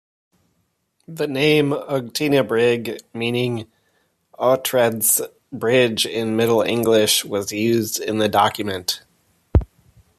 The name Ughtinabrigg, meaning Oughtred's Bridge in Middle English, was used in the document.